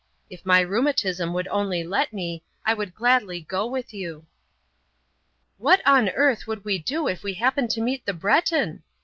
If my rheumatism would only let me, I would gladly go with you." "What on earth would we do if we happened to meet the Breton?"